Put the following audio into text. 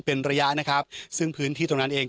เป็นระยะนะครับซึ่งพื้นที่ตรงนั้นเอง